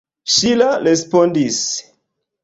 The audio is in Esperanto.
Ŝila respondis.